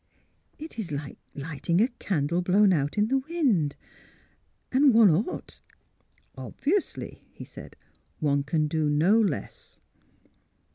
" It is like lighting a candle blown out in the wind, and one ought "" Obviously," he said; " one can do no less."